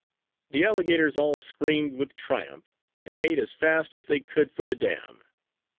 The alligators all screamed with triumph and made as fast as they could for the dam.